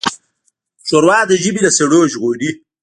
ښوروا د ژمي له سړو ژغوري.